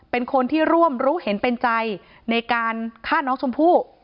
เป็นคนที่ร่วมรู้เห็นเป็นใจในการฆ่าน้องชมพู่